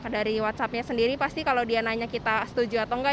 dari whatsappnya sendiri pasti kalau dia nanya kita setuju atau enggak